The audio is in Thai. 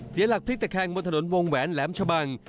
เสียหลักพลิกตะแคงบนถนนวงแหวนแหลมชะบัง